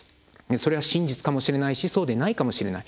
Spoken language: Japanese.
それは真実かもしれないしそうでないかもしれない。